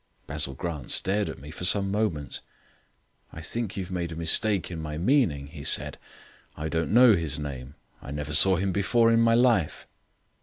Basil Grant stared at me for some moments. "I think you've made a mistake in my meaning," he said. "I don't know his name. I never saw him before in my life."